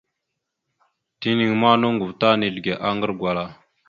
Tenaŋ ma, noŋgov ta nizləge aŋgar gwala.